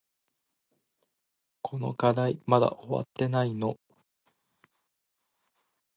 この課題まだ終わってないの？